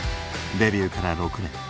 デビューから６年。